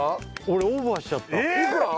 俺オーバーしちゃったいくら？